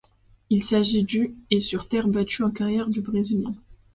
Il s'agit du et sur terre battue en carrière du Brésilien.